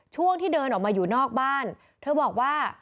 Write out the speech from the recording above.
ช่วงที่เดินออกมาอยู่นอกบ้านเธอบอกว่า